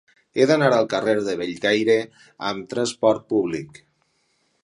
He d'anar al carrer de Bellcaire amb trasport públic.